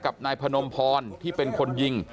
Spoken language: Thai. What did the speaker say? กับนายพนมพรที่เป็นคนยิง